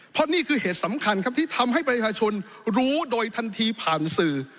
เพราะนี่คือเหตุสำคัญครับที่ทำให้ประชาชนรู้โดยทันทีผ่านสื่อ